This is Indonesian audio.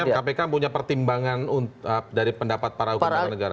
jadi kita punya pertimbangan dari pendapat para hukum tentang negara